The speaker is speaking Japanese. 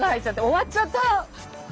終わっちゃった。